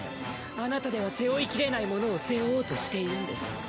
あなたでは背負いきれないものを背負おうとしているんです。